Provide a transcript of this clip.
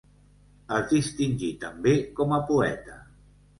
Es distingí també com a poeta.